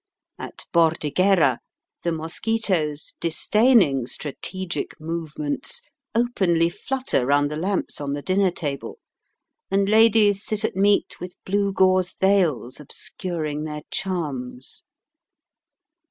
At Bordighera the mosquitoes, disdaining strategic movements, openly flutter round the lamps on the dinner table, and ladies sit at meat with blue gauze veils obscuring their charms.